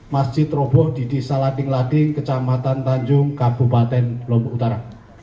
masjid roboh di desa lading lading kecamatan tanjung kabupaten lombok utara